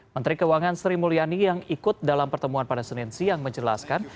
menteri keuangan sri mulyani yang ikut dalam pertemuan pada senin siang menjelaskan